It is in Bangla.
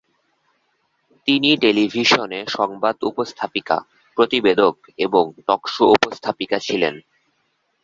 তিনি টেলিভিশনে সংবাদ উপস্থাপিকা, প্রতিবেদক এবং টক শো উপস্থাপিকা ছিলেন।